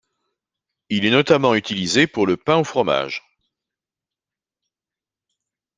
Il est notamment utilisé pour le pain au fromage.